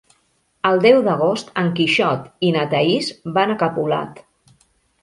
El deu d'agost en Quixot i na Thaís van a Capolat.